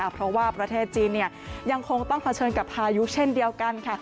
เพราะว่าประเทศจีนยังคงต้องเผชิญกับพายุเช่นเดียวกันค่ะ